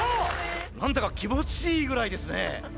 何だか気持ちいいぐらいですね。